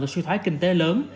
từ suy thoái kinh tế lớn